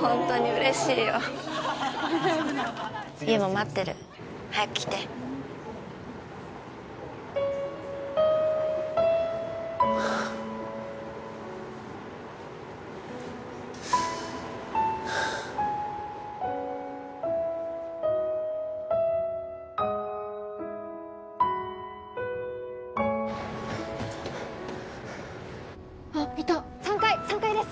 ホントに嬉しいよ優も待ってる早く来てあっいた３階３階です